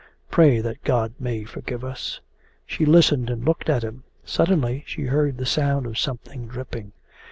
Pray that God may forgive us!' She listened and looked at him. Suddenly she heard the sound of something dripping.